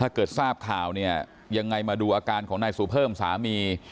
ถ้าเกิดทราบข่าวอย่างไรมาดูอาการของหน้าสุเฟิร์มสามี